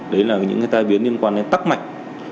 đấy là những cái tai biến liên quan đến tắc mạch